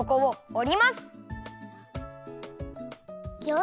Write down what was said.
お！